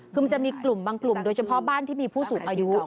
คือมันจะมีกลุ่มบางกลุ่มโดยเฉพาะบ้านที่มีผู้สูงอายุ